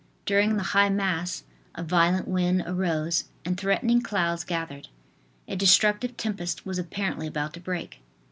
During the High Mass a violent wind arose and threatening clouds gathered; a destructive tempest was apparently about to break.